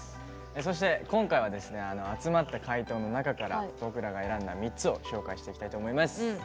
そして、今回は集まった回答の中から僕らが選んだ３つを紹介していきたいと思います。